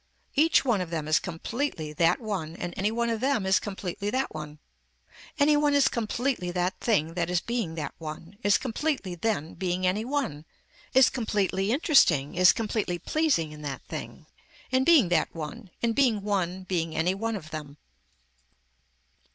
Each one of them is completely that one and any one of them is completely that one. Any one is completely that thing that is being that one, is completely then being any one, is completely interesting is completely pleasing in that thing, in being that one, in being one being any one of them.